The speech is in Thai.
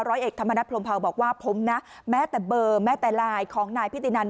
ร้อยเอกธรรมนัฐพรมเผาบอกว่าผมนะแม้แต่เบอร์แม้แต่ไลน์ของนายพิตินัน